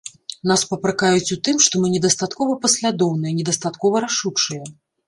Нас папракаюць у тым, што мы недастаткова паслядоўныя, недастаткова рашучыя.